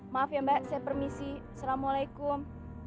maaf ya mbak saya permisi assalamualaikum